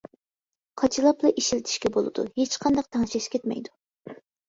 قاچىلاپلا ئىشلىتىشكە بولىدۇ، ھېچقانداق تەڭشەش كەتمەيدۇ.